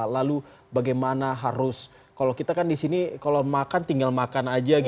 lalu bagaimana harus kalau kita kan di sini kalau makan tinggal makan saja